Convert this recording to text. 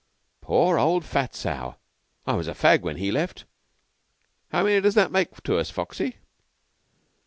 "Poor old Fat Sow! I was a fag when he left. How many does that make to us, Foxy?"